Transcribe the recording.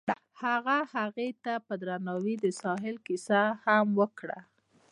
هغه هغې ته په درناوي د ساحل کیسه هم وکړه.